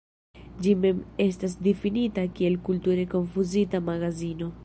Ĝi mem estas difinita kiel "kulture konfuzita magazino".